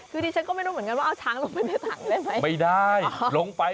คือที่ฉันก็ไม่รู้เหมือนกันว่าเอาช้างลงไปในถั่งได้ไหม